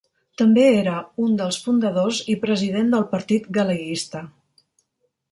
També era un dels fundadors i president del Partit Galeguista.